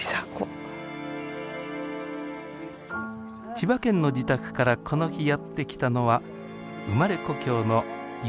千葉県の自宅からこの日やって来たのは生まれ故郷の岩手県遠野市。